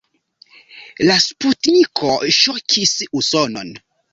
La sputniko ŝokis Usonon.